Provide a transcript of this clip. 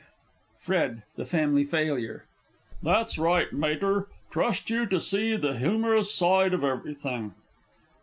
FRED (the Family Failure). That's right, Mater trust you to see the humorous side of everything!